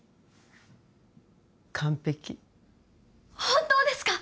完璧本当ですか？